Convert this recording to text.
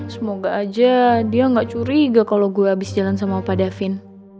semoga aja dia gak curiga kalau gue habis jalan sama pak davin